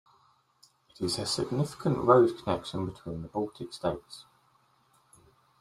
It is a significant road connection between the Baltic states.